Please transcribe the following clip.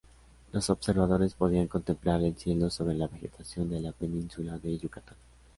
Los observadores podían contemplar el cielo sobre la vegetación de la península de Yucatán.